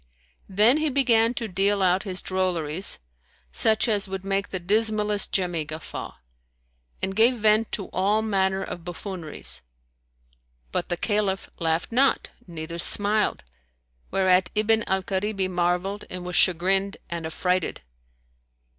Then he began to deal out his drolleries, such as would make the dismallest jemmy guffaw, and gave vent to all manner of buffooneries; but the Caliph laughed not neither smiled, whereat Ibn al Karibi marvelled and was chagrined and affrighted.